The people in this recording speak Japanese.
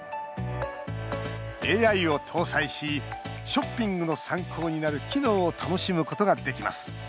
ＡＩを搭載し、ショッピングの参考になる機能を楽しむことができます。